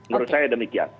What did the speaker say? menurut saya demikian